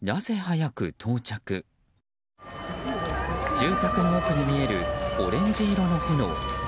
住宅の奥に見えるオレンジ色の炎。